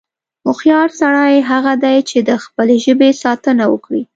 هوښیار سړی هغه دی، چې د خپلې ژبې ساتنه وکړي.